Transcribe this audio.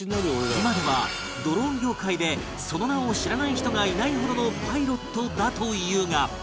今ではドローン業界でその名を知らない人がいないほどのパイロットだというが